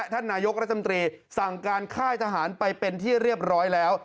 ท่านนายกรัฐมนตรีสั่งการค่ายทหารไปเป็นที่เรียบร้อยแล้ว